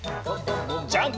ジャンプ！